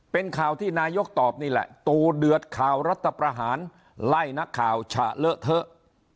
เป็นข่าวที่นายกตอบนี่แหละตูเดือดข่าวรัฐประหารไล่นักข่าวฉะเลอะเทอะ